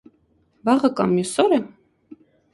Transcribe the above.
- Վաղը կամ մյուս օ՞րը: